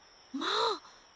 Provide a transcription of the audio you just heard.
まあ！